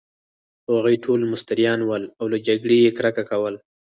هغوی ټوله مستریان ول، او له جګړې يې کرکه کول.